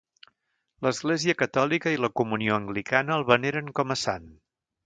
L'Església Catòlica i la Comunió Anglicana el veneren com a sant.